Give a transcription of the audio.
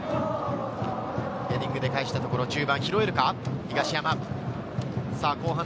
ヘディングで返したところ、中盤拾えるか？